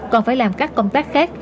còn phải làm các công tác khác